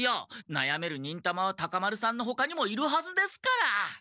なやめる忍たまはタカ丸さんのほかにもいるはずですから！